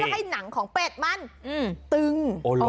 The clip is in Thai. ให้หนังของเป็ดมันตึง